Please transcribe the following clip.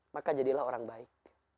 maka jadilah orang baik